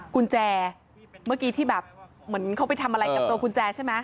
กุญแจเมื่อกี้ที่แบบเหมือนเขาไปทำอะไรกับตัวกุญแจใช่ไหม